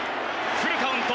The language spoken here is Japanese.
フルカウント。